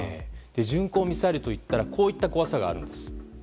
巡航ミサイルといったらこういった怖さがあるんです。